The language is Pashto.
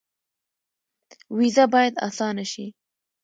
ویزه باید اسانه شي